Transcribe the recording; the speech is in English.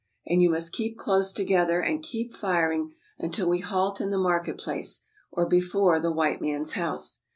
And you must keep close together, and keep firing until we halt in the market place, or before the white man's house.